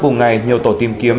vùng ngày nhiều tổ tìm kiếm